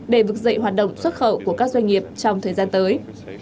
để vực dậy hoạt động xuất khẩu của các doanh nghiệp trong thời gian tới